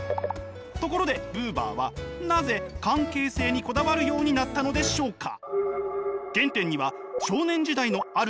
ところでブーバーはなぜ関係性にこだわるようになったのでしょうか？